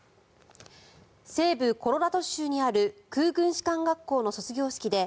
西部コロラド州にある空軍士官学校の卒業式で